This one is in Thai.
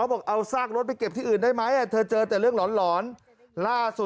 ว่าจากรต์มิคเก็บที่อื่นได้ไหมถ้าเจอแต่เรื่องหลอนร่าโส